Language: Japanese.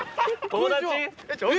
友達？